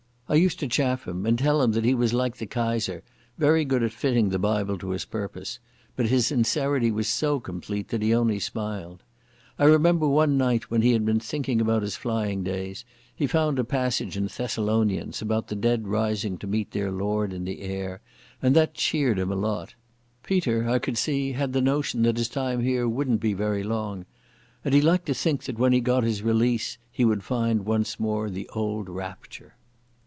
I used to chaff him and tell him that he was like the Kaiser, very good at fitting the Bible to his purpose, but his sincerity was so complete that he only smiled. I remember one night, when he had been thinking about his flying days, he found a passage in Thessalonians about the dead rising to meet their Lord in the air, and that cheered him a lot. Peter, I could see, had the notion that his time here wouldn't be very long, and he liked to think that when he got his release he would find once more the old rapture.